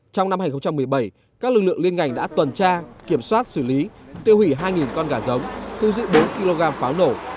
trong năm hai nghìn một mươi bảy các lực lượng liên ngành đã tuần tra kiểm soát xử lý tiêu hủy hai con gà giống thu giữ bốn kg pháo nổ